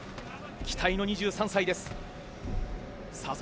期待の２３歳です。